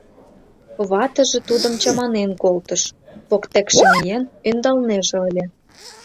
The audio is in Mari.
Ватыже тудым чаманен колтыш, воктекше миен, ӧндалнеже ыле.